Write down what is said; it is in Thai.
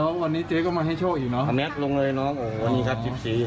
แล้ววันนี้เจ๊ก็มาให้โชคอีกเนอะแน็ตลงเลยน้องวันนี้ครับสิบสี่